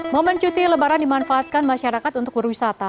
momen cuti lebaran dimanfaatkan masyarakat untuk berwisata